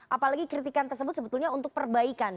apalagi kritikan tersebut sebetulnya untuk perbaikan